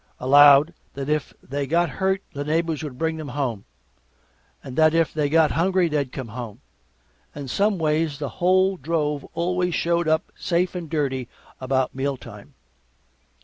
Allowed that if they got hurt the neighbors would bring them home; and that if they got hungry they'd come home. And someways, the whole drove always showed up safe and dirty about meal time.